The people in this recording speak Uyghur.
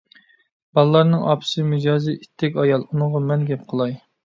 بالىلارنىڭ ئاپىسى مىجەزى ئىتتىك ئايال، ئۇنىڭغا مەن گەپ قىلاي.